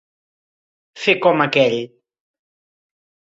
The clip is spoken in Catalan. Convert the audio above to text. Fer com aquell.